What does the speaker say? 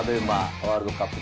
ワールドカップ